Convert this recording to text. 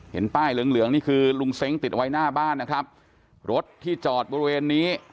ป้ายเหลืองเหลืองนี่คือลุงเซ้งติดไว้หน้าบ้านนะครับรถที่จอดบริเวณนี้